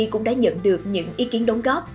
cũng đã nhận được những ý kiến đóng góp